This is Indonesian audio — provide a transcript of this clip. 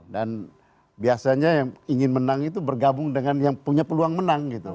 biasanya yang ingin menang itu bergabung dengan yang punya peluang menang gitu